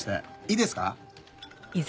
いいですか？